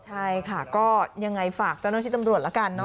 ใช่ค่ะก็ยังไงฝากเจ้าหน้าที่ตำรวจละกันเนอ